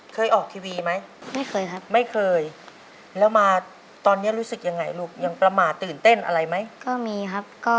คุณและคุณจากน้องเพลงไทยนะครับ